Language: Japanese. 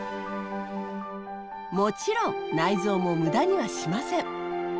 もちろん内臓も無駄にはしません。